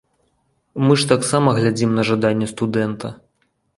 Мы ж таксама глядзім на жаданне студэнта.